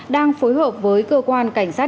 đang phối hợp với cơ quan cảnh sát